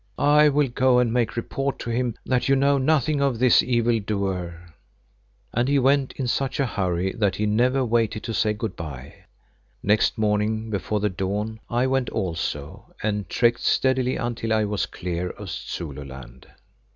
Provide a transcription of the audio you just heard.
"I will go and make report to him that you know nothing of this evil doer." And he went in such a hurry that he never waited to say good bye. Next morning before the dawn I went also and trekked steadily until I was clear of Zululand.